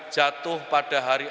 jatuh pada hari